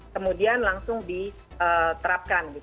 kemudian langsung diterapkan